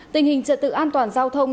tình hình trợ tự an toàn giao thông